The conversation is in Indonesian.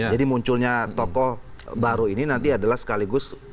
jadi munculnya tokoh baru ini nanti adalah sekaligus